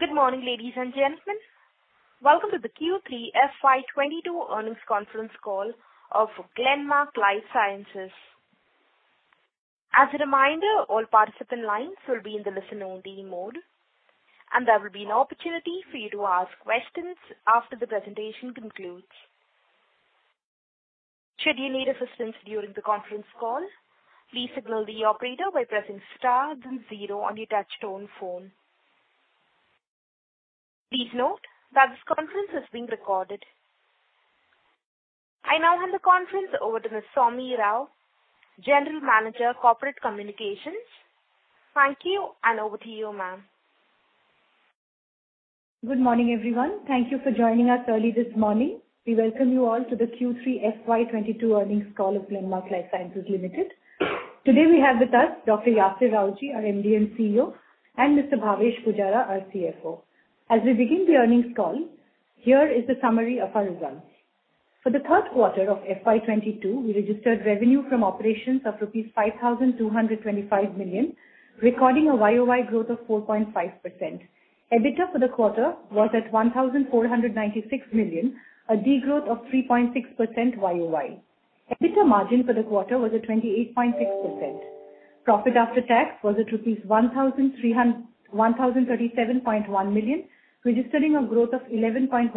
Good morning, ladies and gentlemen. Welcome to the Q3 FY 2022 earnings conference call of Glenmark Life Sciences. As a reminder, all participant lines will be in the listen only mode, and there will be an opportunity for you to ask questions after the presentation concludes. Should you need assistance during the conference call, please signal the operator by pressing star then zero on your touchtone phone. Please note that this conference is being recorded. I now hand the conference over to Ms. Soumi Rao, General Manager, Corporate Communications. Thank you, and over to you, ma'am. Good morning, everyone. Thank you for joining us early this morning. We welcome you all to the Q3 FY 2022 earnings call of Glenmark Life Sciences Limited. Today we have with us Dr. Yasir Rawjee, our MD & CEO, and Mr. Bhavesh Pujara, our CFO. As we begin the earnings call, here is a summary of our results. For the third quarter of FY 2022, we registered revenue from operations of rupees 5,225 million, recording a YOY growth of 4.5%. EBITDA for the quarter was at 1,496 million, a degrowth of 3.6% YOY. EBITDA margin for the quarter was at 28.6%. Profit after tax was at rupees 1,037.1 million, registering a growth of 11.1%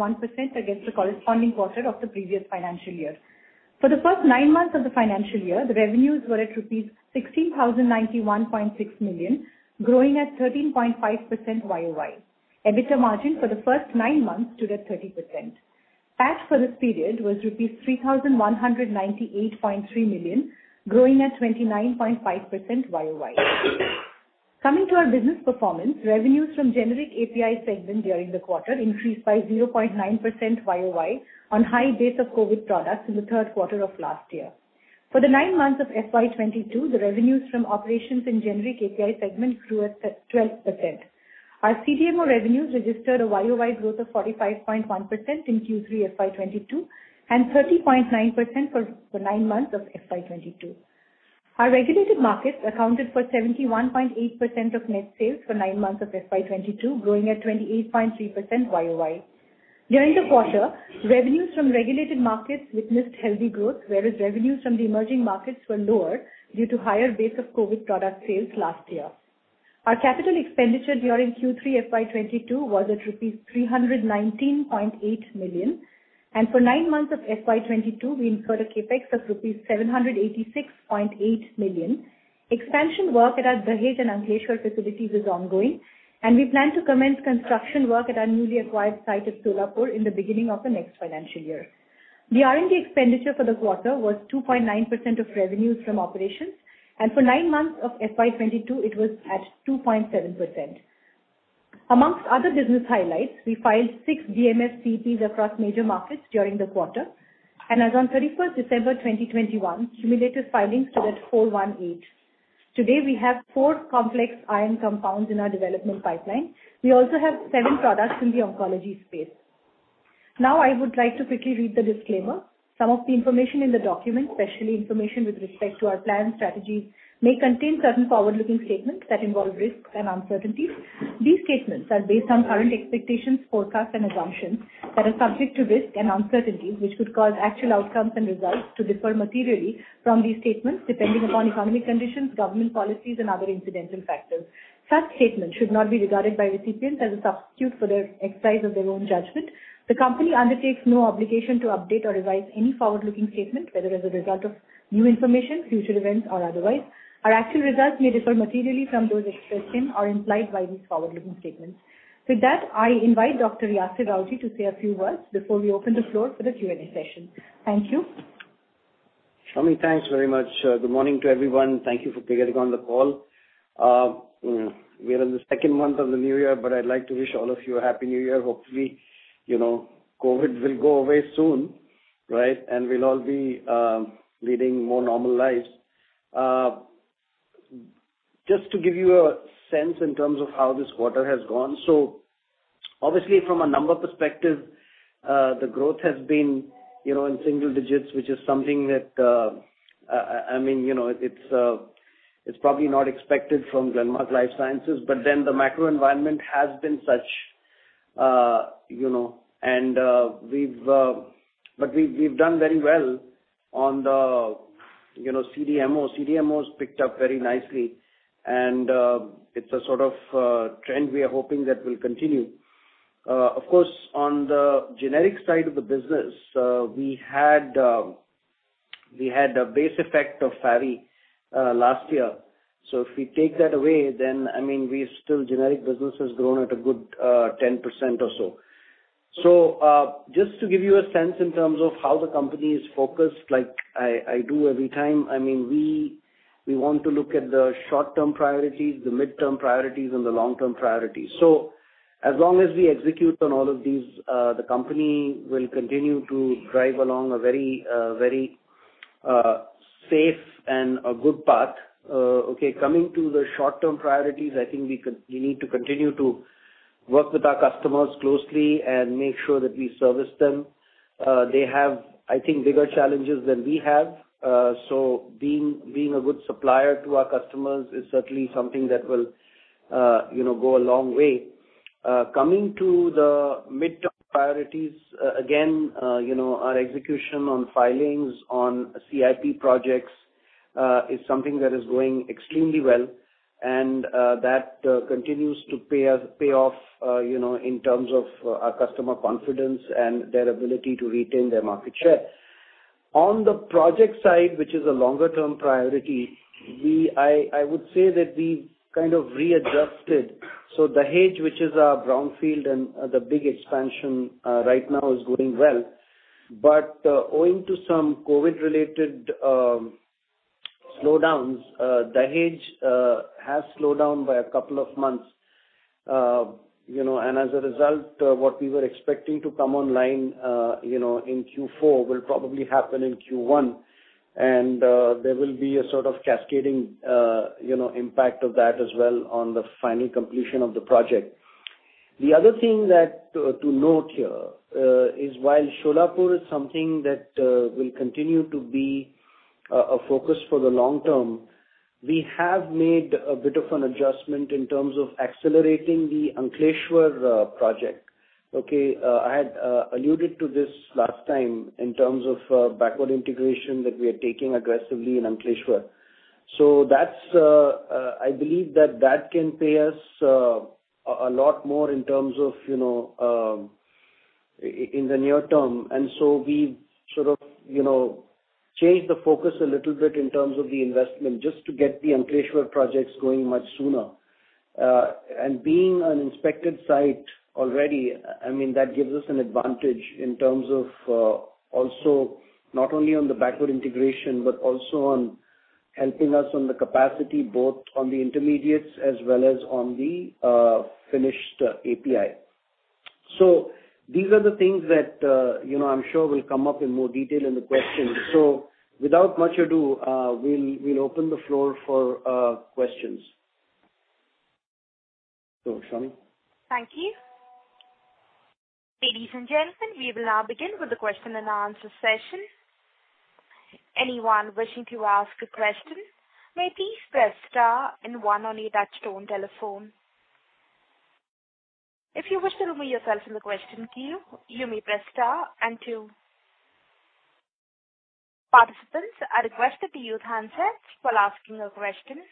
against the corresponding quarter of the previous financial year. For the first nine months of the financial year, the revenues were at rupees 16,091.6 million, growing at 13.5% YOY. EBITDA margin for the first nine months stood at 30%. PAT for this period was rupees 3,198.3 million, growing at 29.5% YOY. Coming to our business performance, revenues from generic API segment during the quarter increased by 0.9% YOY on high base of COVID products in the third quarter of last year. For the nine months of FY 2022, the revenues from operations in generic API segment grew at 12%. Our CDMO revenues registered a YOY growth of 45.1% in Q3 FY 2022 and 30.9% for nine months of FY 2022. Our regulated markets accounted for 71.8% of net sales for nine months of FY 2022, growing at 28.3% YOY. During the quarter, revenues from regulated markets witnessed healthy growth, whereas revenues from the emerging markets were lower due to higher base of COVID product sales last year. Our capital expenditure during Q3 FY 2022 was at rupees 319.8 million. For nine months of FY 2022, we incurred a CapEx of rupees 786.8 million. Expansion work at our Dahej and Ankleshwar facilities is ongoing, and we plan to commence construction work at our newly acquired site at Solapur in the beginning of the next financial year. The R&D expenditure for the quarter was 2.9% of revenues from operations, and for nine months of FY 2022 it was at 2.7%. Among other business highlights, we filed 6 DMFs/CEPs across major markets during the quarter. As on 31 December 2021, cumulative filings stood at 418. Today, we have four complex iron compounds in our development pipeline. We also have seven products in the oncology space. Now I would like to quickly read the disclaimer. Some of the information in the document, especially information with respect to our plans, strategies, may contain certain forward-looking statements that involve risks and uncertainties. These statements are based on current expectations, forecasts and assumptions that are subject to risks and uncertainties, which could cause actual outcomes and results to differ materially from these statements, depending upon economic conditions, government policies and other incidental factors. Such statements should not be regarded by recipients as a substitute for their exercise of their own judgment. The company undertakes no obligation to update or revise any forward-looking statements, whether as a result of new information, future events or otherwise. Our actual results may differ materially from those expressed in or implied by these forward-looking statements. With that, I invite Dr. Yasir Rawjee to say a few words before we open the floor for the Q&A session. Thank you. Soumi, thanks very much. Good morning to everyone. Thank you for getting on the call. We are in the second month of the new year, but I'd like to wish all of you a happy new year. Hopefully, you know, COVID will go away soon, right? We'll all be leading more normal lives. Just to give you a sense in terms of how this quarter has gone. Obviously, from a number perspective, the growth has been, you know, in single digits, which is something that I mean, you know, it's probably not expected from Glenmark Life Sciences, but then the macro environment has been such, you know. We've done very well on the CDMO. CDMO's picked up very nicely and it's a sort of trend we are hoping that will continue. Of course, on the generic side of the business, we had a base effect of favipiravir last year. If we take that away then, I mean, we've still. Generic business has grown at a good 10% or so. Just to give you a sense in terms of how the company is focused, like I do every time, I mean, we want to look at the short-term priorities, the midterm priorities and the long-term priorities. As long as we execute on all of these, the company will continue to drive along a very very safe and a good path. Okay, coming to the short-term priorities, I think we need to continue to work with our customers closely and make sure that we service them. They have, I think, bigger challenges than we have. Being a good supplier to our customers is certainly something that will, you know, go a long way. Coming to the midterm priorities, again, you know, our execution on filings on CIP projects is something that is going extremely well and that continues to pay off, you know, in terms of our customer confidence and their ability to retain their market share. On the project side, which is a longer-term priority, I would say that we kind of readjusted. Dahej, which is our brownfield and the big expansion, right now is going well. Owing to some COVID-related slowdowns, Dahej has slowed down by a couple of months. You know, as a result, what we were expecting to come online, you know, in Q4 will probably happen in Q1. There will be a sort of cascading, you know, impact of that as well on the final completion of the project. The other thing to note here is while Solapur is something that will continue to be a focus for the long term, we have made a bit of an adjustment in terms of accelerating the Ankleshwar project. Okay. I had alluded to this last time in terms of backward integration that we are taking aggressively in Ankleshwar. That's... I believe that can pay us a lot more in terms of, you know, in the near term. We've sort of, you know, changed the focus a little bit in terms of the investment, just to get the Ankleshwar projects going much sooner. Being an inspected site already. I mean, that gives us an advantage in terms of also not only on the backward integration, but also on helping us on the capacity, both on the intermediates as well as on the finished API. These are the things that, you know, I'm sure will come up in more detail in the questions. Without much ado, we'll open the floor for questions. Sunny. Thank you. Ladies and gentlemen, we will now begin with the question-and-answer session. Anyone wishing to ask a question may please press star and one on your touchtone telephone. If you wish to remove yourself from the question queue, you may press star and two. Participants, I request that you use handsets while asking your questions.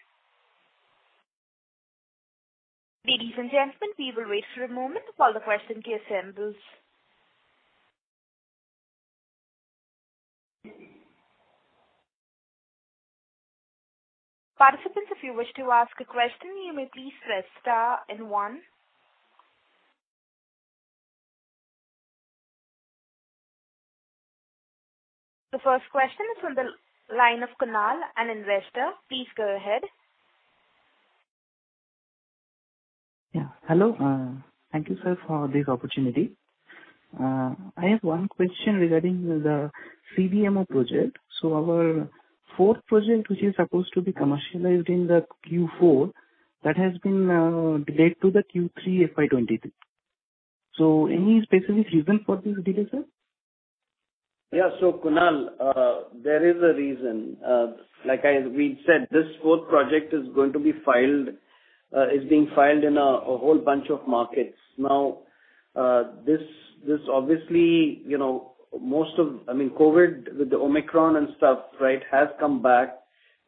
Ladies and gentlemen, we will wait for a moment while the question queue assembles. Participants, if you wish to ask a question, you may please press star and one. The first question is from the line of Kunal, an investor. Please go ahead. Yeah. Hello. Thank you, sir, for this opportunity. I have one question regarding the CDMO project. Our fourth project, which is supposed to be commercialized in the Q4, that has been delayed to the Q3 FY 2023. Any specific reason for this delay, sir? Yeah. Kunal, there is a reason. We said, this fourth project is going to be filed, is being filed in a whole bunch of markets. Now, this obviously, you know, most of, I mean, COVID with the Omicron and stuff, right, has come back,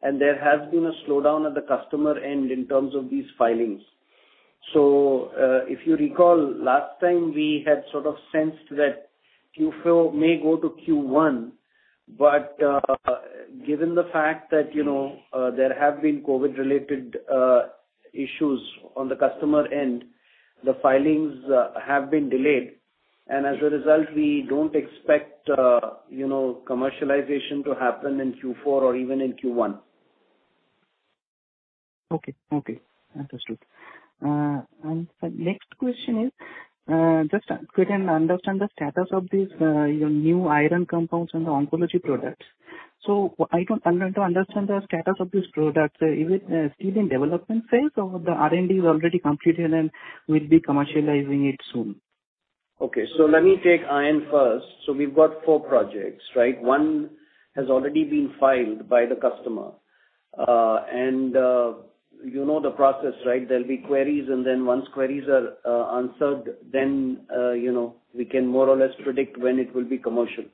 and there has been a slowdown at the customer end in terms of these filings. If you recall, last time we had sort of sensed that Q4 may go to Q1, but given the fact that, you know, there have been COVID-related issues on the customer end, the filings have been delayed, and as a result, we don't expect, you know, commercialization to happen in Q4 or even in Q1. Okay. Understood. Next question is, just could I understand the status of these, your new iron compounds and the oncology products? So I'm trying to understand the status of these products. Is it still in development phase or the R&D is already completed and we'll be commercializing it soon? Okay. Let me take iron first. We've got four projects, right? One has already been filed by the customer. You know the process, right? There'll be queries, and then once queries are answered, then you know, we can more or less predict when it will be commercial.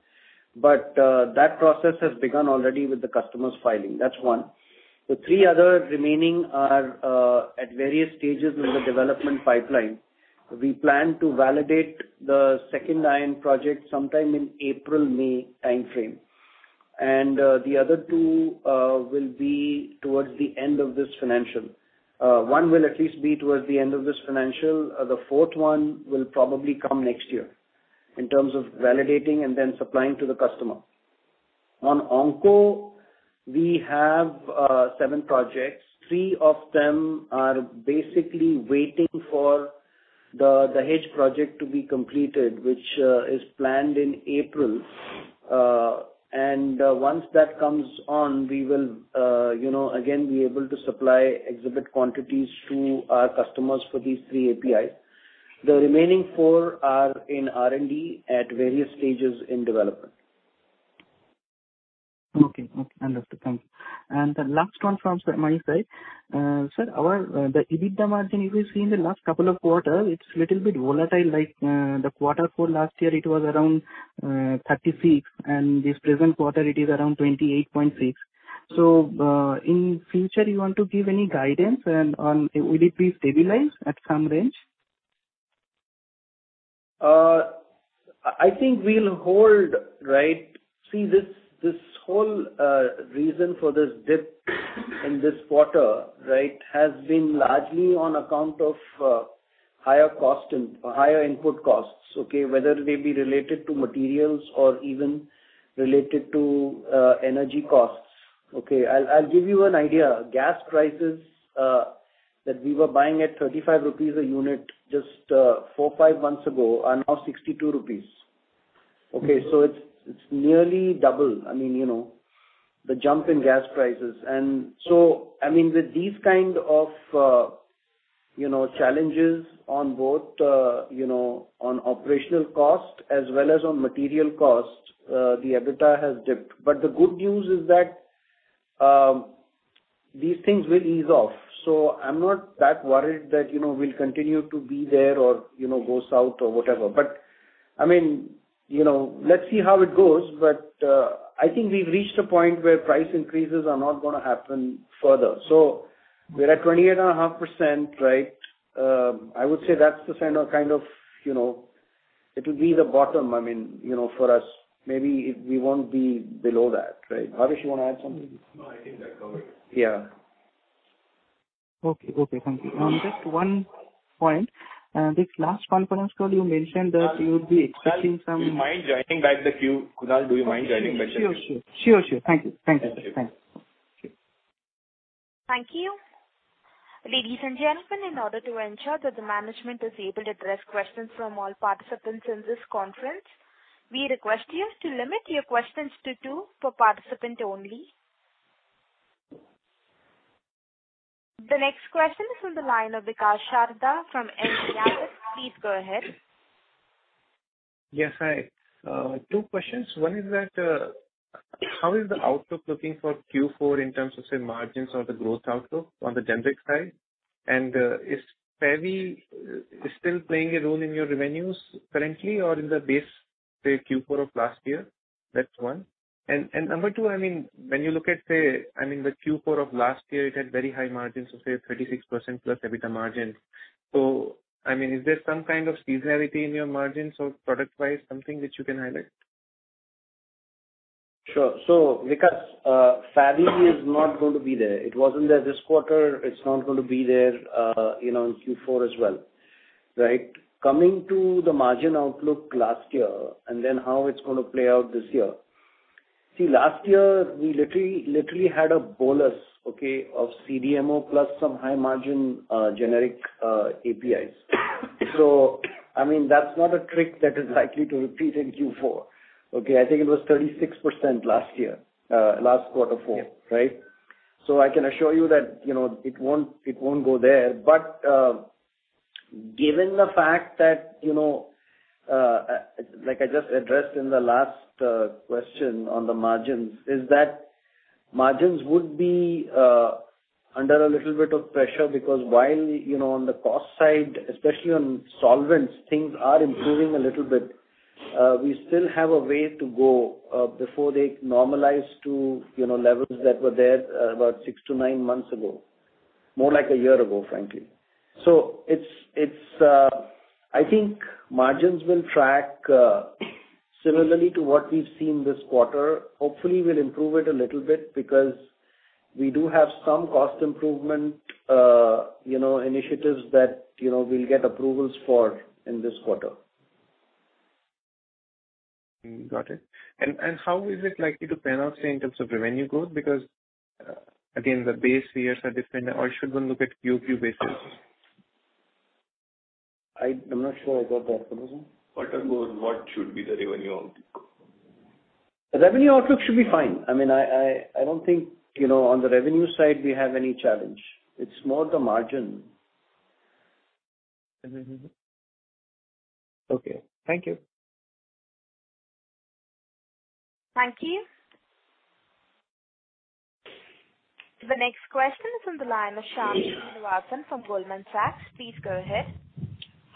That process has begun already with the customer's filing. That's one. The three other remaining are at various stages in the development pipeline. We plan to validate the second iron project sometime in April-May timeframe. The other two will be towards the end of this financial. One will at least be towards the end of this financial. The fourth one will probably come next year in terms of validating and then supplying to the customer. On onco, we have seven projects. Three of them are basically waiting for the hedge project to be completed, which is planned in April. Once that comes on, we will, you know, again, be able to supply exhibit quantities to our customers for these three APIs. The remaining four are in R&D at various stages in development. Okay. Understood. Thank you. The last one from sir, my side. Sir, our, the EBITDA margin, if you've seen the last couple of quarters, it's little bit volatile. Like, the quarter four last year it was around 36%, and this present quarter it is around 28.6%. In future you want to give any guidance and on will it be stabilized at some range? I think we'll hold, right? See this whole reason for this dip in this quarter, right, has been largely on account of higher cost and higher input costs, okay? Whether they be related to materials or even related to energy costs. Okay. I'll give you an idea. Gas prices that we were buying at 35 rupees a unit just four, five months ago are now 62 rupees. Okay. Mm-hmm. It's nearly double. I mean, you know, the jump in gas prices. I mean, with these kind of, you know, challenges on both, you know, on operational cost as well as on material costs, the EBITDA has dipped. The good news is that these things will ease off, so I'm not that worried that, you know, we'll continue to be there or, you know, go south or whatever. I mean, you know, let's see how it goes. I think we've reached a point where price increases are not gonna happen further. We're at 28.5%, right? I would say that's the sign of kind of, you know, it'll be the bottom, I mean, you know, for us. Maybe we won't be below that, right? Bhavesh, you wanna add something? No, I think that covers it. Yeah. Okay. Thank you. Just one point. This last conference call, you mentioned that you would be expecting some Kunal, do you mind joining back the queue? Sure. Thank you. Thank you. Thanks. Okay. Thank you. Ladies and gentlemen, in order to ensure that the management is able to address questions from all participants in this conference, we request you to limit your questions to two per participant only. The next question is from the line of Vikas Sharda from NTAsset. Please go ahead. Yes. Hi. Two questions. One is that, how is the outlook looking for Q4 in terms of, say, margins or the growth outlook on the generic side? And, is favipiravir still playing a role in your revenues currently or in the base, say, Q4 of last year? That's one. And number two, I mean, when you look at, say, I mean the Q4 of last year, it had very high margins of, say, 36%+ EBITDA margins. So I mean, is there some kind of seasonality in your margins or product wise, something that you can highlight? Sure. Because favipiravir is not going to be there, it wasn't there this quarter. It's not gonna be there, you know, in Q4 as well, right? Coming to the margin outlook last year and then how it's gonna play out this year. See, last year we literally had a bolus, okay, of CDMO plus some high margin generic APIs. I mean, that's not a trick that is likely to repeat in Q4. Okay. I think it was 36% last year, last quarter four. Yeah. Right? I can assure you that, you know, it won't go there. Given the fact that, you know, like I just addressed in the last question on the margins would be under a little bit of pressure because while, you know, on the cost side, especially on solvents, things are improving a little bit. We still have a way to go before they normalize to, you know, levels that were there about six to nine months ago, more like a year ago, frankly. It's I think margins will track similarly to what we've seen this quarter. Hopefully we'll improve it a little bit because we do have some cost improvement, you know, initiatives that, you know, we'll get approvals for in this quarter. Got it. How is it likely to pan out, say, in terms of revenue growth? Because, again, the base years are different. Or should one look at QOQ basis? I'm not sure I got the question. What should be the revenue outlook? The revenue outlook should be fine. I mean, I don't think, you know, on the revenue side we have any challenge. It's more the margin. Okay. Thank you. Thank you. The next question is from the line of Shyam Srinivasan from Goldman Sachs. Please go ahead.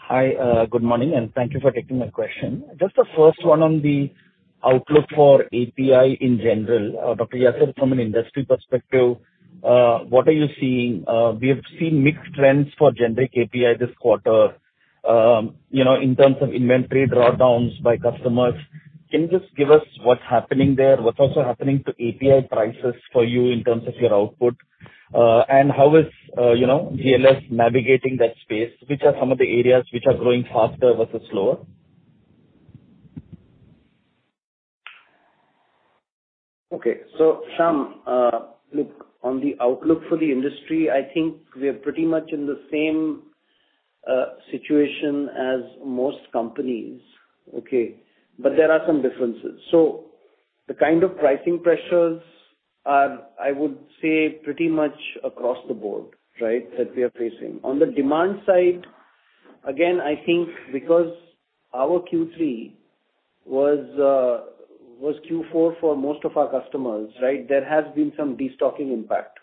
Hi. Good morning and thank you for taking my question. Just the first one on the outlook for API in general. Dr. Yasir, from an industry perspective, what are you seeing? We have seen mixed trends for generic API this quarter, you know, in terms of inventory drawdowns by customers. Can you just give us what's happening there? What's also happening to API prices for you in terms of your output? And how is, you know, GLS navigating that space? Which are some of the areas which are growing faster versus slower? Shyam, look, on the outlook for the industry, I think we are pretty much in the same situation as most companies, okay, but there are some differences. The kind of pricing pressures are, I would say, pretty much across the board, right? That we are facing. On the demand side, again, I think because our Q3 was Q4 for most of our customers, right? There has been some destocking impact.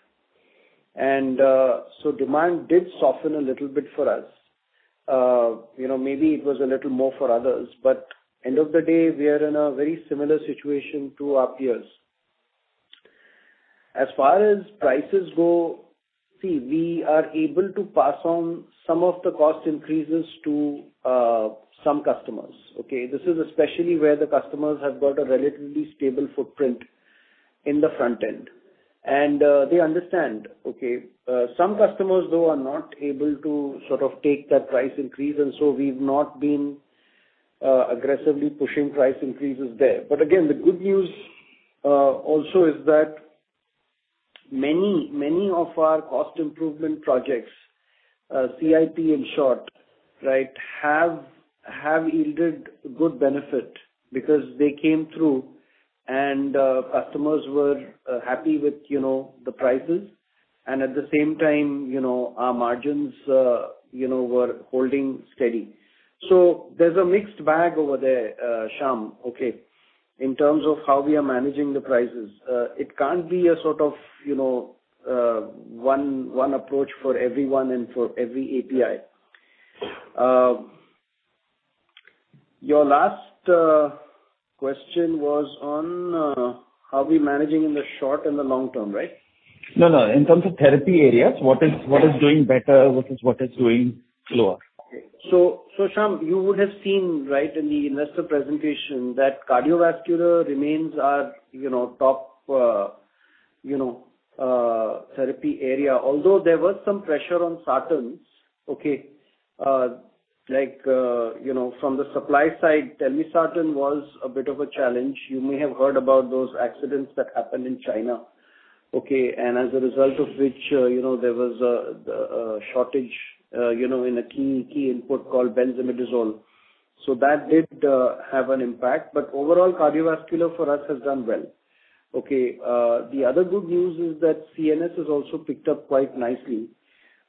Demand did soften a little bit for us. You know, maybe it was a little more for others, but end of the day, we are in a very similar situation to our peers. As far as prices go, see, we are able to pass on some of the cost increases to some customers, okay? This is especially where the customers have got a relatively stable footprint in the front end, and they understand, okay. Some customers, though, are not able to sort of take that price increase, and so we've not been aggressively pushing price increases there. But again, the good news also is that many of our cost improvement projects, CIP in short, right, have yielded good benefit because they came through and customers were happy with, you know, the prices, and at the same time, you know, our margins, you know, were holding steady. So there's a mixed bag over there, Shyam, okay, in terms of how we are managing the prices. It can't be a sort of, you know, one approach for everyone and for every API. Your last question was on how we managing in the short and the long term, right? No, no, in terms of therapy areas, what is doing better, what is doing lower? Shyam, you would have seen right in the investor presentation that cardiovascular remains our, you know, top, you know, therapy area. Although there was some pressure on sartans, okay, like, you know, from the supply side, telmisartan was a bit of a challenge. You may have heard about those accidents that happened in China, okay. As a result of which, you know, there was a shortage, you know, in a key input called benzimidazole. That did have an impact. Overall, cardiovascular for us has done well. Okay, the other good news is that CNS has also picked up quite nicely.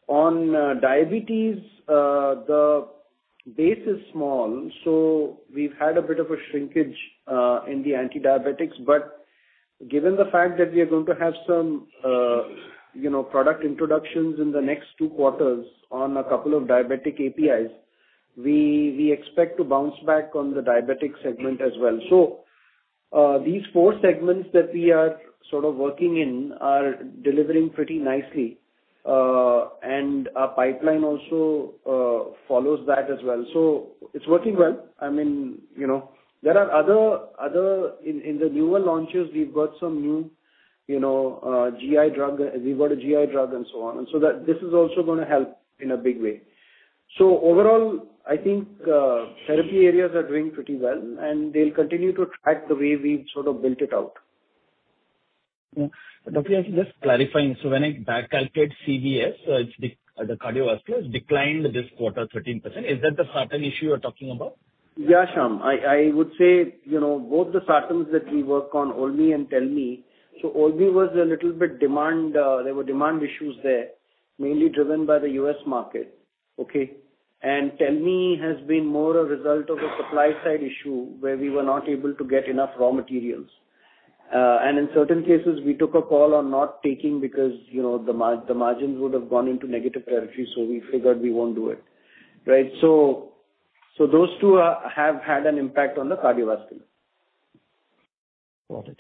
On diabetes, the base is small, so we've had a bit of a shrinkage in the antidiabetics. Given the fact that we are going to have some, you know, product introductions in the next two quarters on a couple of diabetic APIs, we expect to bounce back on the diabetic segment as well. These four segments that we are sort of working in are delivering pretty nicely, and our pipeline also follows that as well. It's working well. I mean, you know, there are other. In the newer launches, we've got some new, you know, GI drug, we've got a GI drug and so on. That this is also gonna help in a big way. Overall, I think, therapy areas are doing pretty well, and they'll continue to track the way we've sort of built it out. Yeah. Dr. Yasir Rawjee, just clarifying. When I back calculate CVS, it's the cardiovascular declined this quarter 13%. Is that the sartan issue you're talking about? Yeah, Shyam. I would say, you know, both the sartans that we work on, olmesartan and telmisartan. Olmesartan was a little bit demand, there were demand issues there, mainly driven by the U.S. market, okay? Telmisartan has been more a result of a supply side issue where we were not able to get enough raw materials. In certain cases, we took a call on not taking because, you know, the margins would have gone into negative territory, so we figured we won't do it. Right. Those two have had an impact on the cardiovascular. Got it.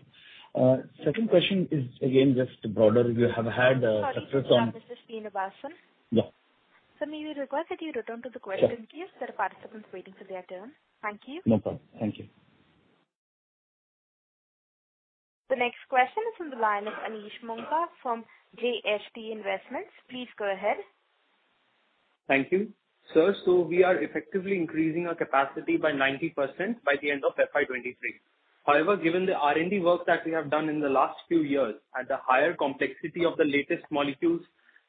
Second question is again, just broader. You have had success on- Sorry to interrupt, Mr. Shyam Srinivasan. Yeah. Sir, may we request that you return to the question queue? Sure. There are participants waiting for their turn. Thank you. No problem. Thank you. The next question is from the line of Anish Munka from JST Investments. Please go ahead. Thank you. Sir, we are effectively increasing our capacity by 90% by the end of FY 2023. However, given the R&D work that we have done in the last few years at the higher complexity of the latest molecules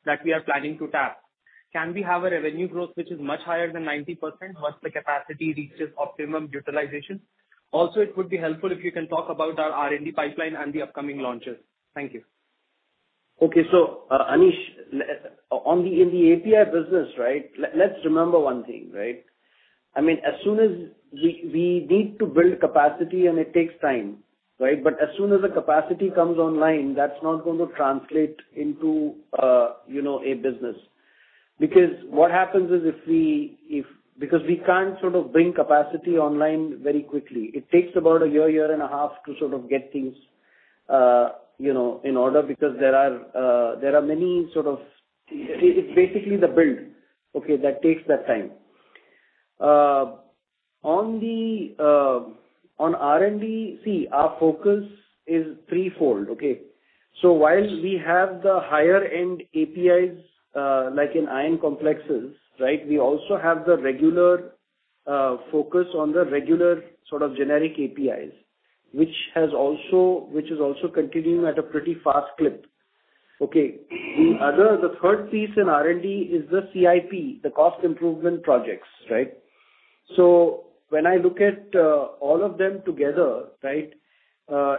that we are planning to tap, can we have a revenue growth which is much higher than 90% once the capacity reaches optimum utilization? Also, it would be helpful if you can talk about our R&D pipeline and the upcoming launches. Thank you. Okay. Anish, in the API business, right, let's remember one thing, right? I mean, as soon as we need to build capacity, and it takes time, right? As soon as the capacity comes online, that's not going to translate into you know a business. Because what happens is we can't sort of bring capacity online very quickly. It takes about a year and a half to sort of get things you know in order. It's basically the build, okay, that takes that time. On R&D, see, our focus is threefold, okay? While we have the higher end APIs, like in iron complexes, we also have the regular focus on the regular sort of generic APIs, which is also continuing at a pretty fast clip. The third piece in R&D is the CIP, the cost improvement projects. When I look at all of them together,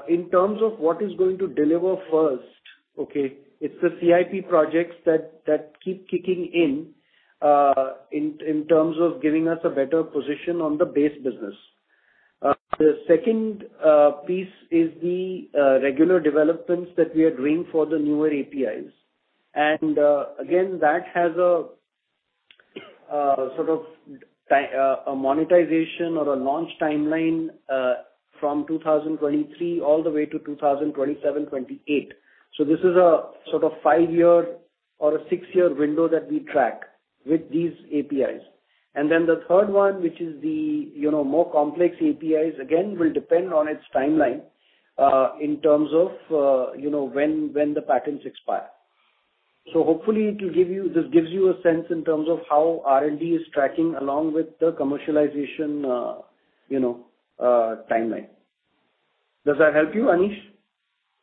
in terms of what is going to deliver first, it's the CIP projects that keep kicking in terms of giving us a better position on the base business. The second piece is the regular developments that we are doing for the newer APIs. Again, that has a sort of a monetization or a launch timeline, from 2023 all the way to 2027, 2028. This is a sort of five-year or a six-year window that we track with these APIs. Then the third one, which is the, you know, more complex APIs, again, will depend on its timeline in terms of, you know, when the patents expire. This gives you a sense in terms of how R&D is tracking along with the commercialization timeline. Does that help you, Anish?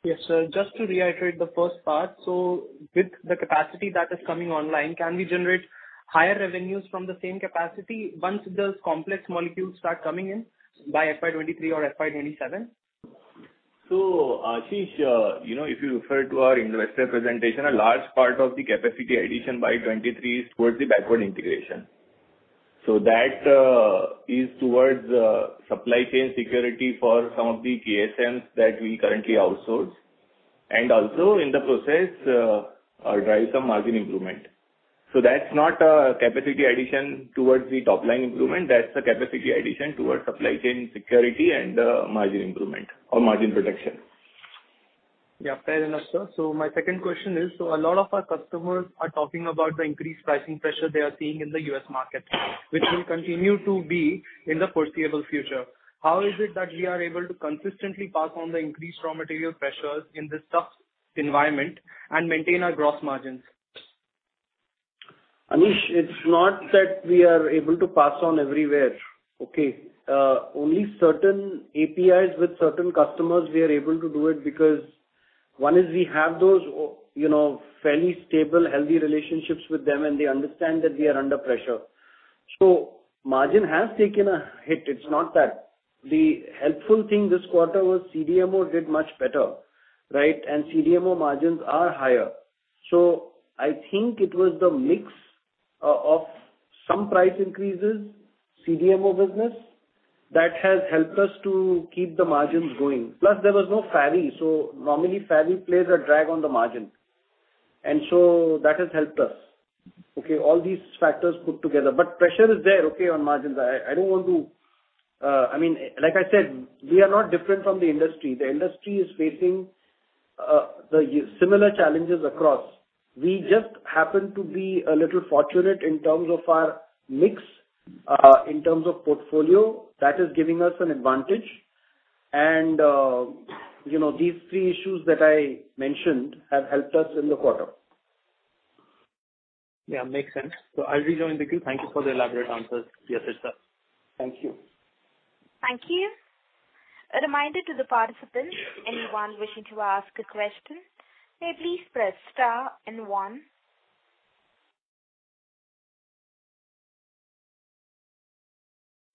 Yes, sir. Just to reiterate the first part. With the capacity that is coming online, can we generate higher revenues from the same capacity once those complex molecules start coming in by FY 2023 or FY 2027? Anish, you know, if you refer to our investor presentation, a large part of the capacity addition by 2023 is towards the backward integration. That is towards supply chain security for some of the KSMs that we currently outsource, and also in the process drive some margin improvement. That's not a capacity addition towards the top-line improvement. That's a capacity addition towards supply chain security and margin improvement or margin protection. Yeah, fair enough, sir. My second question is, a lot of our customers are talking about the increased pricing pressure they are seeing in the U.S. market, which will continue to be in the foreseeable future. How is it that we are able to consistently pass on the increased raw material pressures in this tough environment and maintain our gross margins? Anish, it's not that we are able to pass on everywhere. Okay. Only certain APIs with certain customers we are able to do it because one is we have those, you know, fairly stable, healthy relationships with them, and they understand that we are under pressure. Margin has taken a hit. It's not that. The helpful thing this quarter was CDMO did much better, right? CDMO margins are higher. I think it was the mix of some price increases, CDMO business that has helped us to keep the margins going. Plus, there was no FARI. Normally FARI plays a drag on the margin, and so that has helped us. Okay. All these factors put together. Pressure is there, okay, on margins. I don't want to. I mean, like I said, we are not different from the industry. The industry is facing similar challenges across. We just happen to be a little fortunate in terms of our mix in terms of portfolio that is giving us an advantage. You know, these three issues that I mentioned have helped us in the quarter. Yeah, makes sense. I'll rejoin the queue. Thank you for the elaborate answers, Yasir, sir. Thank you. Thank you. A reminder to the participants, anyone wishing to ask a question, may please press star and one.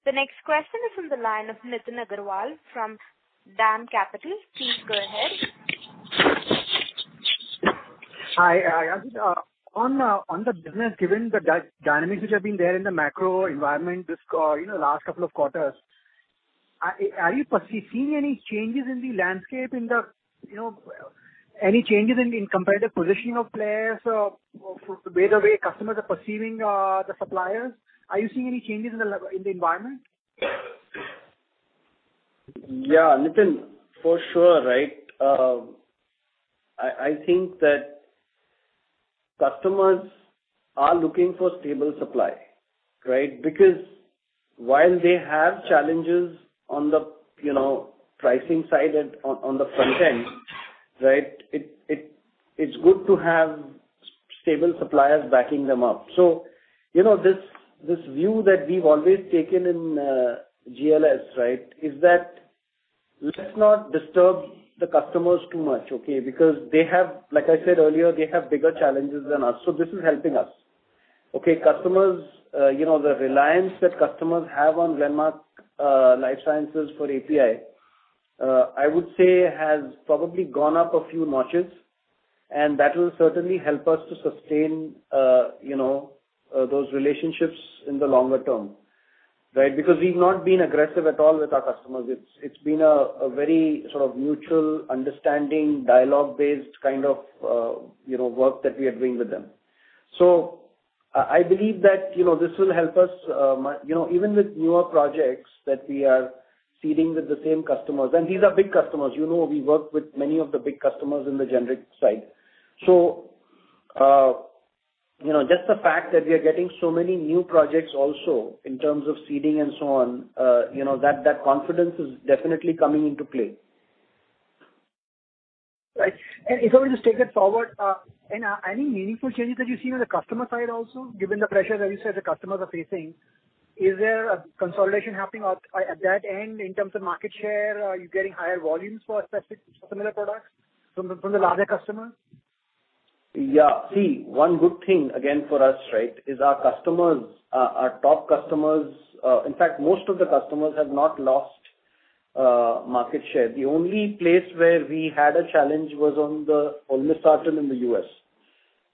The next question is from the line of Nitin Agarwal from DAM Capital. Please go ahead. Hi. Yasir, on the business, given the dynamics which have been there in the macro environment this, you know, last couple of quarters, are you seeing any changes in the landscape, you know, any changes in competitive positioning of players or the way customers are perceiving the suppliers? Are you seeing any changes in the environment? Yeah. Nitin, for sure, right? I think that customers are looking for stable supply, right? Because while they have challenges on the, you know, pricing side and on the front end, right, it's good to have stable suppliers backing them up. You know, this view that we've always taken in GLS, right, is that let's not disturb the customers too much, okay? Because they have like I said earlier, they have bigger challenges than us. This is helping us. Okay. Customers, you know, the reliance that customers have on Glenmark Life Sciences for API, I would say has probably gone up a few notches, and that will certainly help us to sustain those relationships in the longer term, right? Because we've not been aggressive at all with our customers. It's been a very sort of mutual understanding, dialogue-based kind of, you know, work that we are doing with them. I believe that, you know, this will help us, you know, even with newer projects that we are seeding with the same customers, and these are big customers. You know, we work with many of the big customers in the generic side. You know, just the fact that we are getting so many new projects also in terms of seeding and so on, you know, that confidence is definitely coming into play. Right. If I were to take that forward, any meaningful changes that you've seen on the customer side also, given the pressure that you said the customers are facing? Is there a consolidation happening at that end in terms of market share? Are you getting higher volumes for specific similar products from the larger customers? Yeah. See, one good thing again for us, right, is our customers, our top customers, in fact, most of the customers have not lost market share. The only place where we had a challenge was on the Olmesartan in the U.S.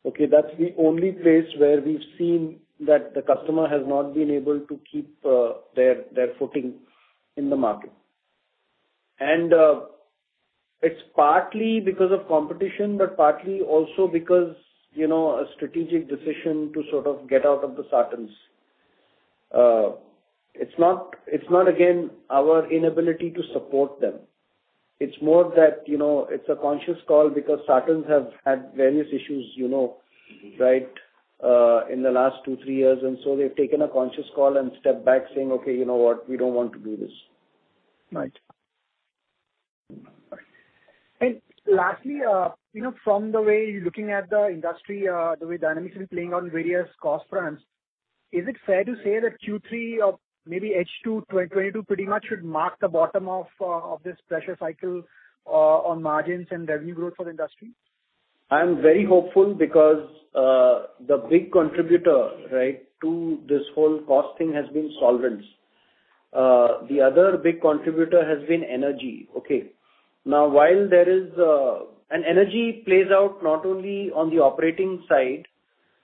Okay. That's the only place where we've seen that the customer has not been able to keep their footing in the market. It's partly because of competition, but partly also because, you know, a strategic decision to sort of get out of the sartans. It's not again, our inability to support them. It's more that, you know, it's a conscious call because sartans have had various issues, you know. Mm-hmm. Right, in the last two, three years, they've taken a conscious call and stepped back saying, "Okay, you know what? We don't want to do this. Right. Lastly, you know, from the way you're looking at the industry, the way dynamics is playing on various cost fronts, is it fair to say that Q3 of maybe H2 2022 pretty much should mark the bottom of this pressure cycle on margins and revenue growth for the industry? I am very hopeful because the big contributor, right, to this whole cost thing has been solvents. The other big contributor has been energy. Okay. Now, energy plays out not only on the operating side,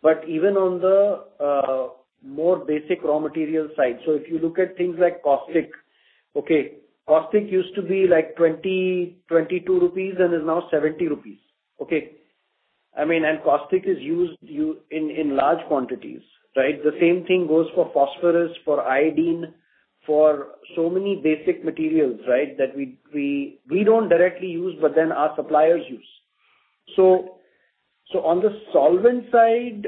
but even on the more basic raw material side. If you look at things like caustic. Okay. Caustic used to be like 22 rupees and is now 70 rupees. Okay? I mean, caustic is used in large quantities, right? The same thing goes for phosphorus, for iodine, for so many basic materials, right, that we don't directly use, but then our suppliers use. On the solvent side,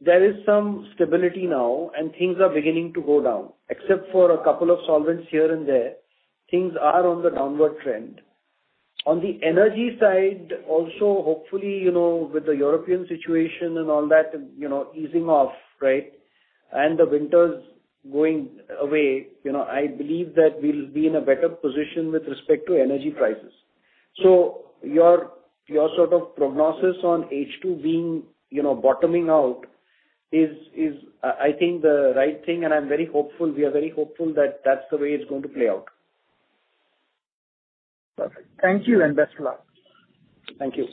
there is some stability now, and things are beginning to go down. Except for a couple of solvents here and there, things are on the downward trend. On the energy side also, hopefully, you know, with the European situation and all that, you know, easing off, right, and the winters going away, you know, I believe that we'll be in a better position with respect to energy prices. Your sort of prognosis on H2 being, you know, bottoming out is I think the right thing, and I'm very hopeful, we are very hopeful that that's the way it's going to play out. Perfect. Thank you and best of luck. Thank you.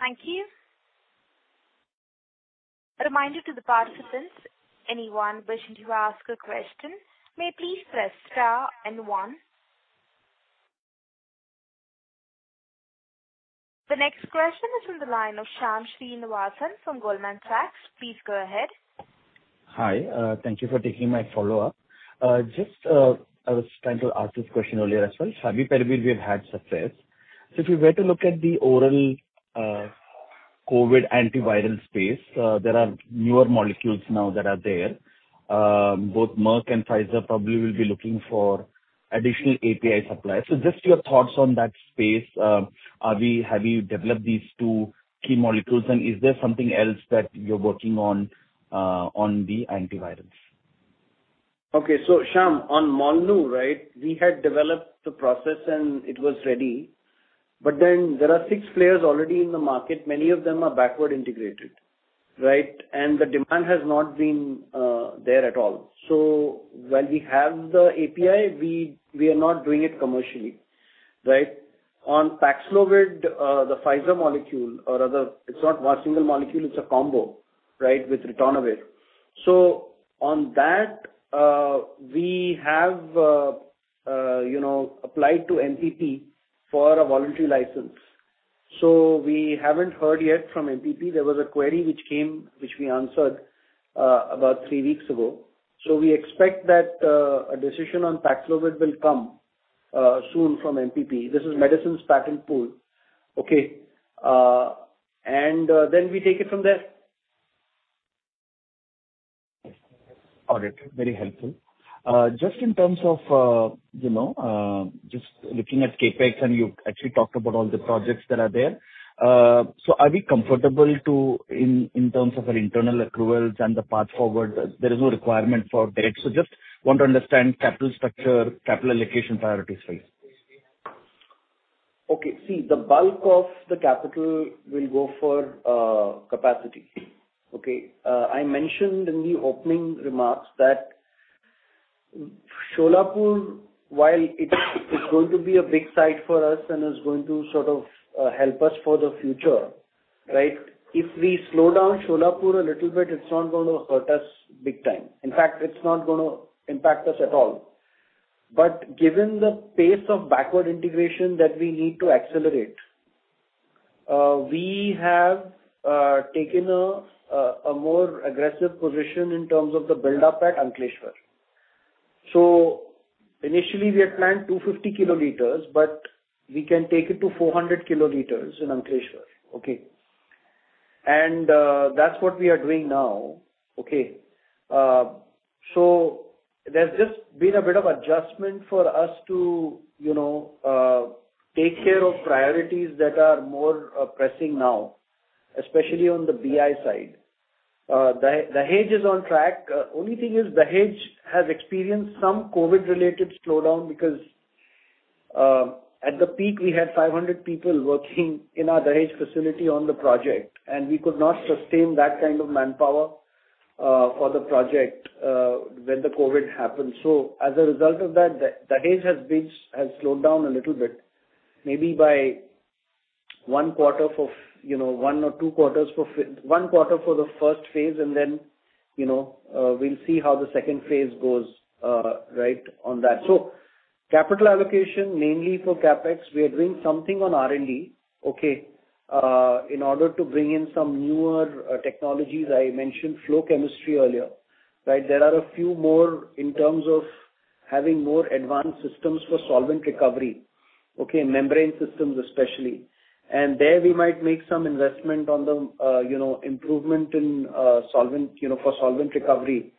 Thank you. A reminder to the participants, anyone wishing to ask a question, may please press star and one. The next question is from the line of Shyam Srinivasan from Goldman Sachs. Please go ahead. Hi, thank you for taking my follow-up. Just, I was trying to ask this question earlier as well. Favipiravir we have had success. If we were to look at the oral, COVID antiviral space, there are newer molecules now that are there. Both Merck and Pfizer probably will be looking for additional API supply. Just your thoughts on that space. Have you developed these two key molecules, and is there something else that you're working on the antivirals? Okay. Shyam, on molnupiravir, right, we had developed the process and it was ready. Then there are six players already in the market. Many of them are backward integrated, right? The demand has not been there at all. While we have the API, we are not doing it commercially, right? On Paxlovid, the Pfizer molecule or other. It's not one single molecule, it's a combo, right, with ritonavir. On that, we have you know, applied to MPP for a voluntary license. We haven't heard yet from MPP. There was a query which came, which we answered about three weeks ago. We expect that a decision on Paxlovid will come soon from MPP. This is Medicines Patent Pool. Okay. Then we take it from there. Got it. Very helpful. Just in terms of just looking at CapEx, and you actually talked about all the projects that are there. Are we comfortable in terms of our internal accruals and the path forward, there is no requirement for debt. I just want to understand capital structure, capital allocation priorities for you. Okay. See, the bulk of the capital will go for capacity. Okay? I mentioned in the opening remarks that Solapur, while it's going to be a big site for us and is going to sort of help us for the future, right? If we slow down Solapur a little bit, it's not gonna hurt us big time. In fact, it's not gonna impact us at all. Given the pace of backward integration that we need to accelerate, we have taken a more aggressive position in terms of the build-up at Ankleshwar. Initially we had planned 250 kiloliters, but we can take it to 400 kiloliters in Ankleshwar. Okay? That's what we are doing now. Okay. There's just been a bit of adjustment for us to, you know, take care of priorities that are more pressing now, especially on the BI side. The hedge is on track. Only thing is the hedge has experienced some COVID-related slowdown because at the peak, we had 500 people working in our hedge facility on the project, and we could not sustain that kind of manpower for the project when the COVID happened. As a result of that, the hedge has slowed down a little bit, maybe by one quarter, you know, one or two quarters, one quarter for the first phase and then, you know, we'll see how the second phase goes, right, on that. Capital allocation, mainly for CapEx. We are doing something on R&D, okay, in order to bring in some newer technologies. I mentioned flow chemistry earlier, right? There are a few more in terms of having more advanced systems for solvent recovery, okay, membrane systems especially. There we might make some investment on the, you know, improvement in, solvent, you know, for solvent recovery.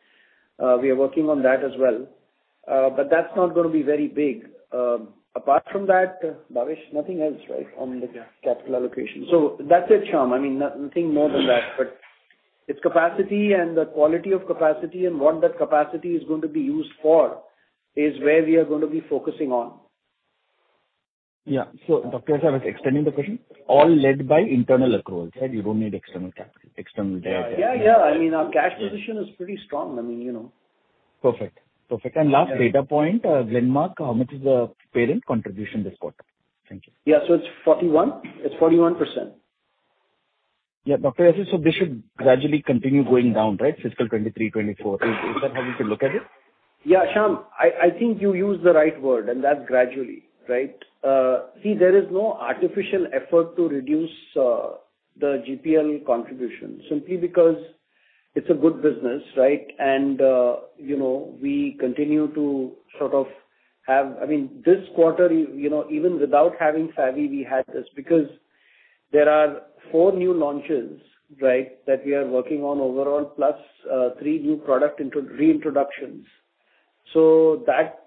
We are working on that as well. That's not gonna be very big. Apart from that, Bhavesh, nothing else, right, on the capital allocation. That's it, Shyam. I mean, nothing more than that. It's capacity and the quality of capacity and what that capacity is going to be used for is where we are gonna be focusing on. Yeah. Dr. Yasir, I was extending the question. All led by internal accruals, right? You don't need external capital, external debt. Yeah. I mean, our cash position is pretty strong. I mean, you know. Perfect. Last data point, Glenmark, how much is the parent contribution this quarter? Thank you. It's 41%. Yeah. Dr. Yasir, this should gradually continue going down, right, fiscal 2023, 2024. Is that how you can look at it? Yeah, Shyam, I think you used the right word, and that's gradually, right? See, there is no artificial effort to reduce the GPL contribution simply because it's a good business, right? You know, we continue to sort of have. I mean, this quarter, you know, even without having favipiravir, we had this because there are four new launches. Right, that we are working on overall, plus three new product reintroductions. That,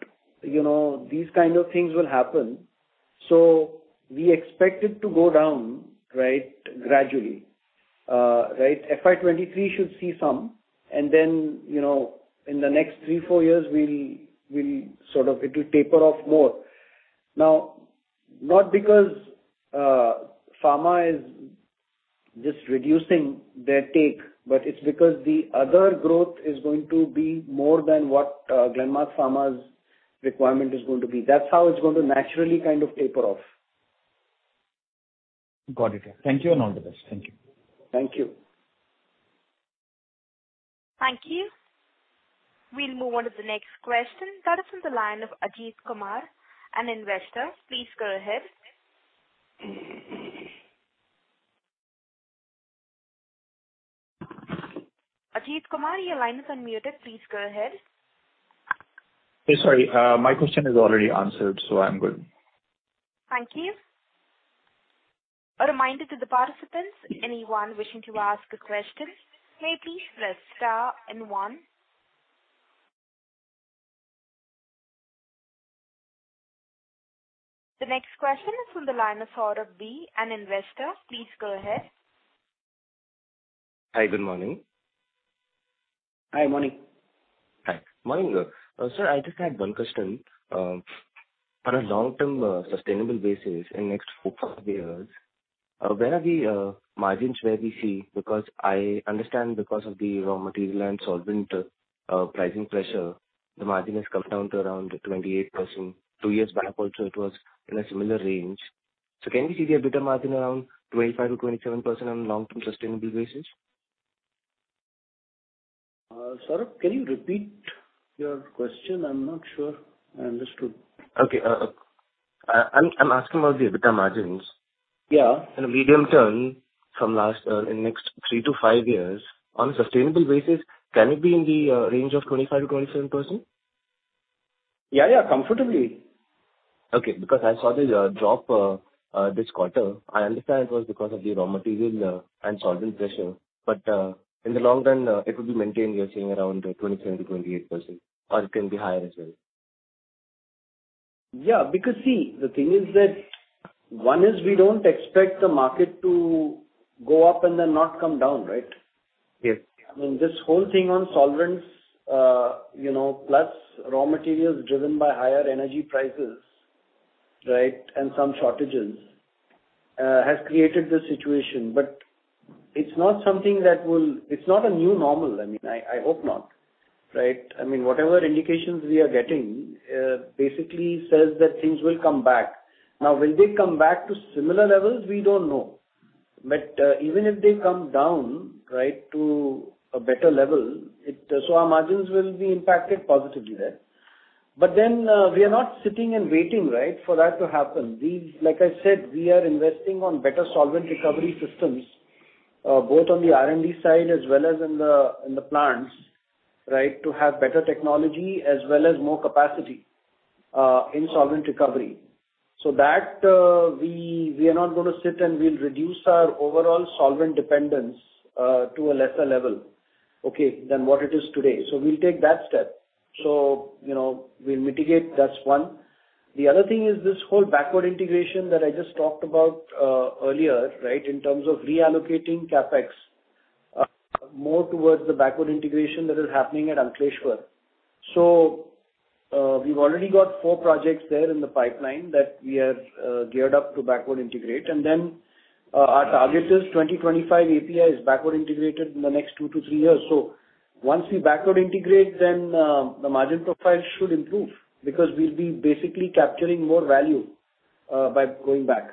you know, these kind of things will happen. We expect it to go down, right, gradually. Right, FY 2023 should see some. Then, you know, in the next three, four years, we'll sort of it'll taper off more. Now, not because Pharma is just reducing their stake, but it's because the other growth is going to be more than what Glenmark Pharma's requirement is going to be. That's how it's going to naturally kind of taper off. Got it. Thank you and all the best. Thank you. Thank you. Thank you. We'll move on to the next question. That is from the line of Ajit Kumar, an investor. Please go ahead. Ajit Kumar, your line is unmuted. Please go ahead. Sorry, my question is already answered, so I'm good. Thank you. A reminder to the participants, anyone wishing to ask a question, may please press star and one. The next question is from the line of Saurabh B, an investor. Please go ahead. Hi, good morning. Hi, morning. Hi. Morning, sir. Sir, I just had one question. On a long-term sustainable basis in next four, five years, where are the margins where we see? Because I understand because of the raw material and solvent pricing pressure, the margin has come down to around 28%. Two years back also it was in a similar range. Can we see the EBITDA margin around 25%-27% on long-term sustainable basis? Saurabh, can you repeat your question? I'm not sure I understood. Okay. I'm asking about the EBITDA margins. Yeah. In a medium term, in next 3-5 years on a sustainable basis, can it be in the range of 25%-27%? Yeah, yeah, comfortably. Okay. Because I saw the drop this quarter. I understand it was because of the raw material and solvent pressure. In the long run it will be maintained, you're saying around 27%-28%, or it can be higher as well? Yeah. Because see, the thing is that one is we don't expect the market to go up and then not come down, right? Yes. I mean, this whole thing on solvents, you know, plus raw materials driven by higher energy prices, right, and some shortages has created this situation. It's not a new normal. I mean, I hope not, right? I mean, whatever indications we are getting basically says that things will come back. Now, will they come back to similar levels? We don't know. Even if they come down, right, to a better level, so our margins will be impacted positively there. We are not sitting and waiting, right, for that to happen. Like I said, we are investing on better solvent recovery systems, both on the R&D side as well as in the plants, right, to have better technology as well as more capacity in solvent recovery. So that we are not gonna sit and we'll reduce our overall solvent dependence to a lesser level, okay, than what it is today. We'll take that step. You know, we'll mitigate, that's one. The other thing is this whole backward integration that I just talked about earlier, right, in terms of reallocating CapEx more towards the backward integration that is happening at Ankleshwar. We've already got four projects there in the pipeline that we have geared up to backward integrate and then our target is 2025 API is backward integrated in the next 2-3 years. Once we backward integrate, then the margin profile should improve because we'll be basically capturing more value by going back.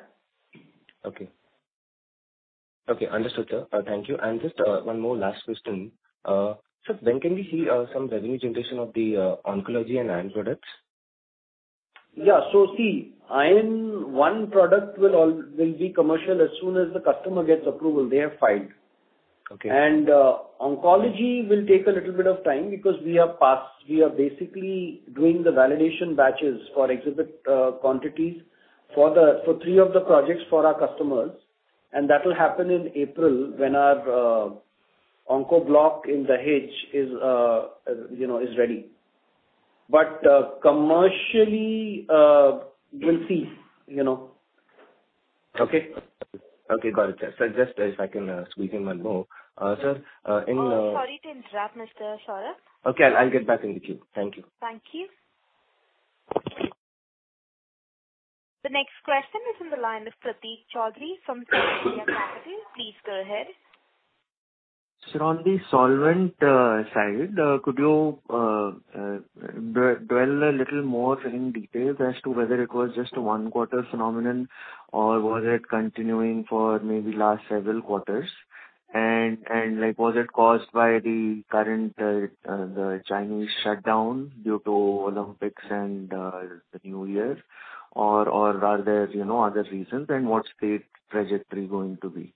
Okay. Okay, understood, sir. Thank you. Just one more last question. Sir, when can we see some revenue generation of the oncology and iron products? One product will be commercial as soon as the customer gets approval. They have filed. Okay. Oncology will take a little bit of time because we are basically doing the validation batches for exhibit quantities for three of the projects for our customers, and that will happen in April when our onco block in Dahej is, you know, ready. Commercially, we'll see, you know. Okay. Okay, got it, sir. Just if I can squeeze in one more. Sorry to interrupt, Mr. Saurabh B. Okay. I'll get back in the queue. Thank you. Thank you. The next question is on the line of Pratik Chaudhary from Equirus Securities. Please go ahead. Sir, on the solvent side, could you dwell a little more in detail as to whether it was just a one quarter phenomenon or was it continuing for maybe last several quarters? Like, was it caused by the current Chinese shutdown due to Olympics and the New Year, or are there, you know, other reasons and what's the trajectory going to be?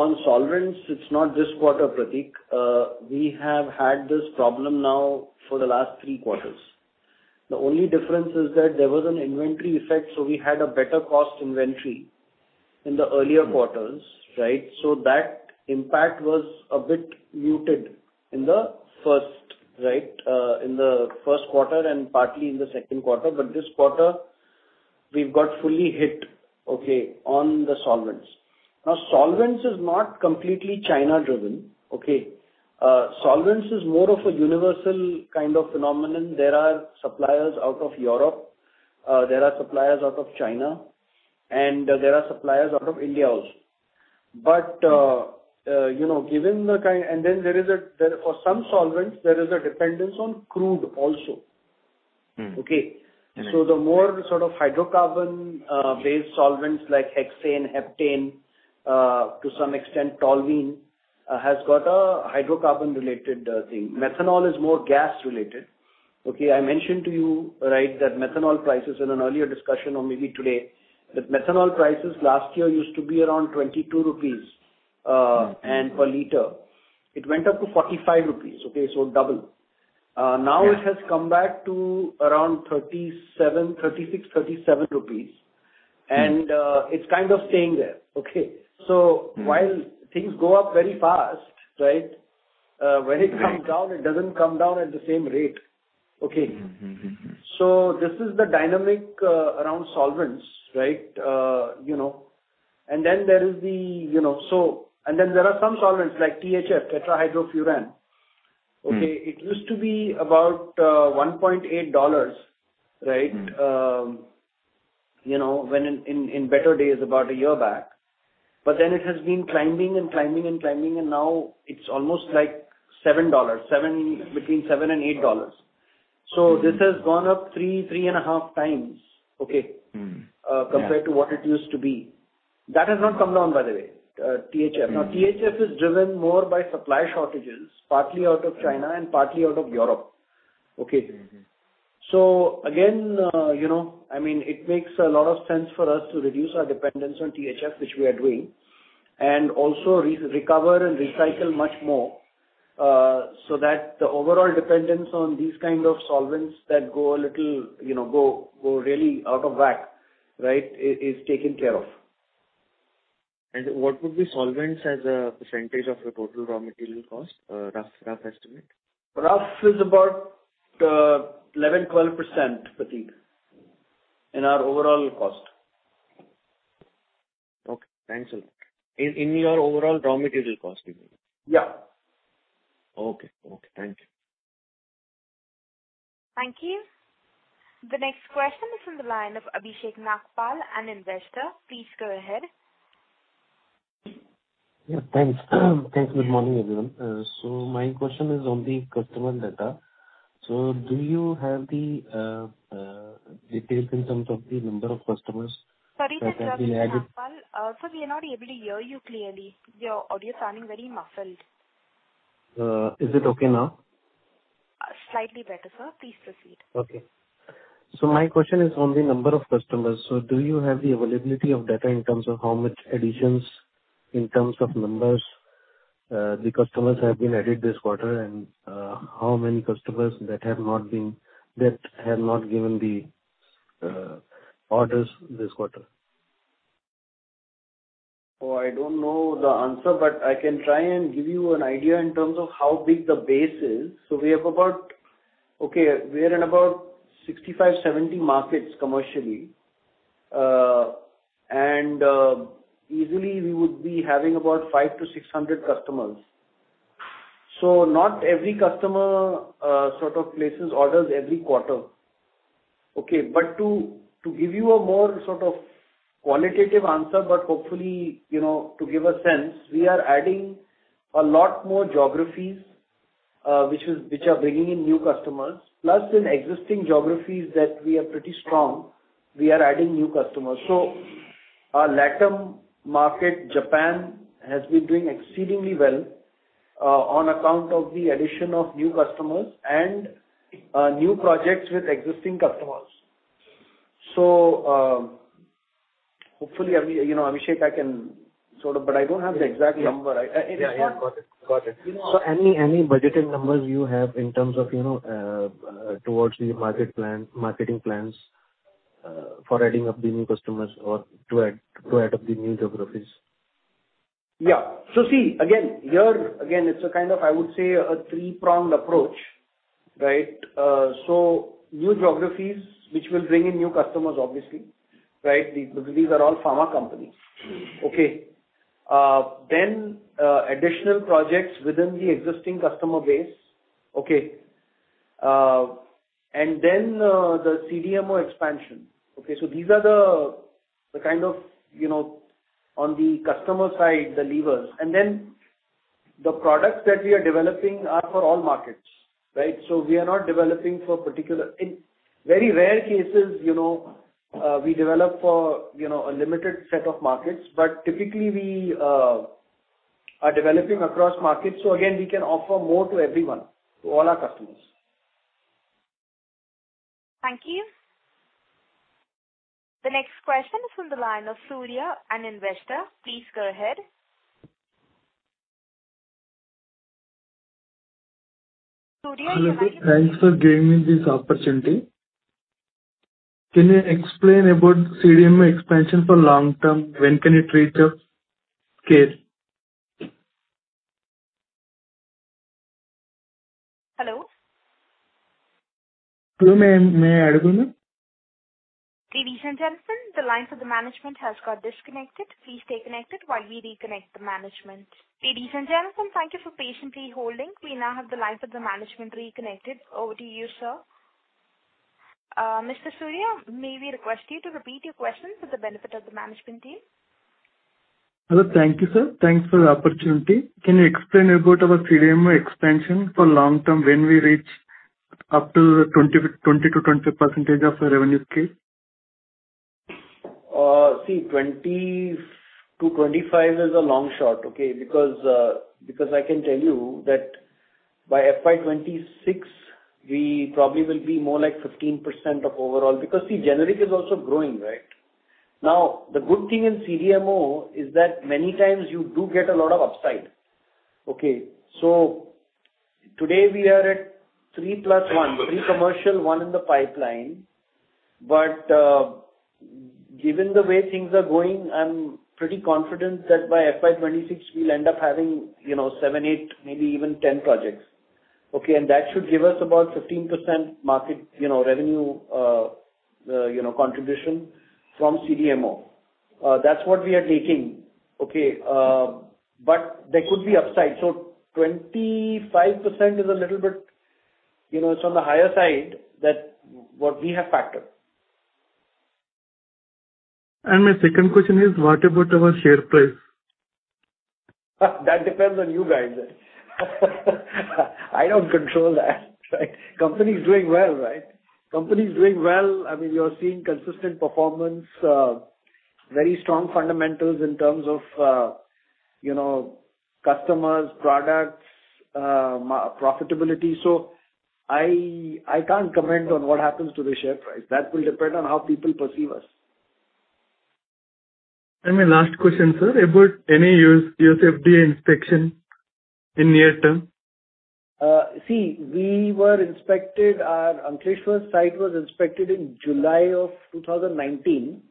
On solvents, it's not this quarter, Pratik. We have had this problem now for the last three quarters. The only difference is that there was an inventory effect, so we had a better cost inventory in the earlier quarters, right? That impact was a bit muted in the first quarter and partly in the second quarter. This quarter, we've got fully hit, okay, on the solvents. Solvents is not completely China-driven, okay? Solvents is more of a universal kind of phenomenon. There are suppliers out of Europe, there are suppliers out of China, and there are suppliers out of India also. You know, given the kind. For some solvents, there is a dependence on crude also. Mm-hmm. Okay? Right. The more sort of hydrocarbon based solvents like hexane, heptane, to some extent toluene, has got a hydrocarbon related thing. Methanol is more gas related. Okay, I mentioned to you, right, that methanol prices in an earlier discussion or maybe today, that methanol prices last year used to be around 22 rupees. Mm-hmm. Per liter. It went up to 45 rupees, okay? Double. Now it has come back to around 37 rupees, 36, 37 rupees. It's kind of staying there, okay? Mm-hmm. While things go up very fast, right? When it comes down, it doesn't come down at the same rate, okay? Mm-hmm. This is the dynamic around solvents, right, you know. There are some solvents like THF, tetrahydrofuran. Mm-hmm. Okay. It used to be about $1.8, right? Mm-hmm. You know, when in better days, about a year back. It has been climbing, and now it's almost like $7, between $7 and $8. Mm-hmm. This has gone up 3.5 times, okay. Mm-hmm. Yeah. Compared to what it used to be. That has not come down, by the way. THF. Mm-hmm. Now, THF is driven more by supply shortages, partly out of China and partly out of Europe, okay? Mm-hmm. Again, you know, I mean, it makes a lot of sense for us to reduce our dependence on THF, which we are doing, and also recover and recycle much more, so that the overall dependence on these kind of solvents that go a little, you know, go really out of whack, right, is taken care of. What would be solvents as a percentage of the total raw material cost? A rough estimate. Roughly about 11%-12%, Pratik, in our overall cost. Okay. Thanks a lot. In your overall raw material cost, you mean? Yeah. Okay. Thank you. Thank you. The next question is on the line of Abhishek Nagpal, an investor. Please go ahead. Yeah, thanks. Good morning, everyone. My question is on the customer data. Do you have the details in terms of the number of customers that have been added? Sorry to interrupt, Mr. Nagpal. Sir, we are not able to hear you clearly. Your audio is sounding very muffled. Is it okay now? Slightly better, sir. Please proceed. My question is on the number of customers. Do you have the availability of data in terms of how many additions in terms of numbers, the customers have been added this quarter and how many customers that have not given the orders this quarter. I don't know the answer, but I can try and give you an idea in terms of how big the base is. We have about 65-70 markets commercially. Easily we would be having about 500-600 customers. Not every customer sort of places orders every quarter. To give you a more sort of qualitative answer, but hopefully, you know, to give a sense, we are adding a lot more geographies, which are bringing in new customers, plus in existing geographies that we are pretty strong, we are adding new customers. Our LATAM market, Japan, has been doing exceedingly well on account of the addition of new customers and new projects with existing customers. Hopefully, you know, Abhishek, I can sort of, but I don't have the exact number. Yeah. Got it. You know. Any budgeted numbers you have in terms of, you know, towards the market plan, marketing plans, for adding up the new customers or to add up the new geographies? Yeah. See, again, here again, it is a kind of, I would say, a three-pronged approach, right? New geographies, which will bring in new customers, obviously, right? Because these are all pharma companies. Okay. Then, additional projects within the existing customer base. Okay. Then, the CDMO expansion. Okay. These are the kind of, you know, on the customer side, the levers. Then the products that we are developing are for all markets, right? We are not developing for particular markets. In very rare cases, you know, we develop for, you know, a limited set of markets. Typically we are developing across markets. Again, we can offer more to everyone, to all our customers. Thank you. The next question is from the line of Surya, an investor. Please go ahead. Surya. Hello. Thanks for giving me this opportunity. Can you explain about CDMO expansion for long term? When can it reach a scale? Hello? Hello, ma'am. May I talk to you? Ladies and gentlemen, the line for the management has got disconnected. Please stay connected while we reconnect the management. Ladies and gentlemen, thank you for patiently holding. We now have the line for the management reconnected. Over to you, sir. Mr. Surya, may we request you to repeat your question for the benefit of the management team? Hello. Thank you, sir. Thanks for the opportunity. Can you explain about our CDMO expansion for long term, when we reach up to 20-25% of the revenue scale? See, 20-25% is a long shot, okay? Because I can tell you that by FY 2026, we probably will be more like 15% of overall. Generic is also growing, right? Now, the good thing in CDMO is that many times you do get a lot of upside. Okay. Today we are at three plus one, three commercial, one in the pipeline. Given the way things are going, I'm pretty confident that by FY 2026 we'll end up having, you know, seven, eight, maybe even 10 projects. Okay. That should give us about 15% market, you know, revenue, you know, contribution from CDMO. That's what we are taking. Okay, but there could be upside. 25% is a little bit, you know, it's on the higher side than what we have factored. My second question is, what about our share price? That depends on you guys. I don't control that, right? Company is doing well, right? I mean, you're seeing consistent performance, very strong fundamentals in terms of, you know, customers, products, profitability. So I can't comment on what happens to the share price. That will depend on how people perceive us. My last question, sir, about any U.S. FDA inspection in near term? We were inspected, our Ankleshwar site was inspected in July 2019.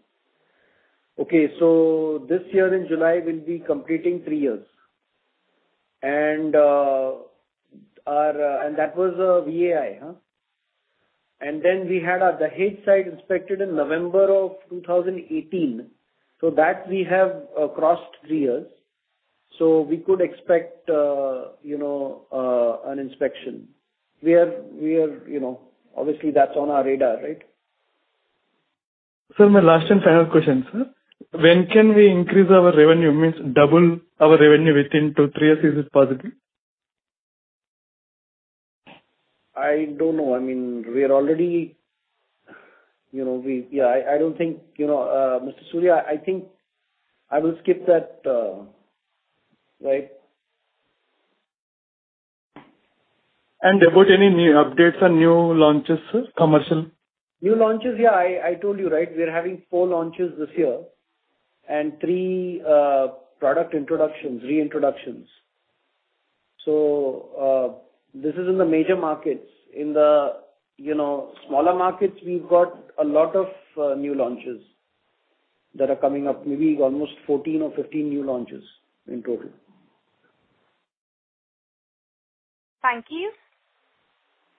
Okay, this year in July we'll be completing three years. Our and that was a VAI, huh? Then we had our Dahej site inspected in November 2018. That we have crossed three years. We could expect you know an inspection. We are you know obviously that's on our radar, right? Sir, my last and final question, sir. When can we increase our revenue, means double our revenue within two, three years? Is it possible? I don't know. I mean, we are already, you know, Yeah, I don't think, you know, Mr. Surya, I think I will skip that, right. About any new updates on new launches, sir, commercial? New launches, yeah, I told you, right? We're having four launches this year and three product introductions, reintroductions. This is in the major markets. In the, you know, smaller markets, we've got a lot of new launches that are coming up, maybe almost 14 or 15 new launches in total. Thank you.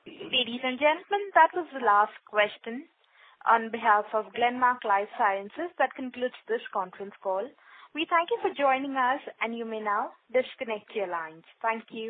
Ladies and gentlemen, that was the last question. On behalf of Glenmark Life Sciences, that concludes this conference call. We thank you for joining us, and you may now disconnect your lines. Thank you.